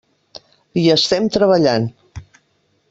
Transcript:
Hi estem treballant.